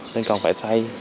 nên còn phải thay